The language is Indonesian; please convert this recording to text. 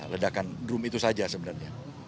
ledakan drum itu saja sebenarnya